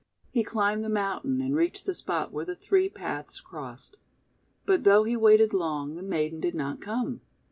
He climbed the mountain, and reached the spot where the three paths crossed. But though he waited long, the maiden did not come.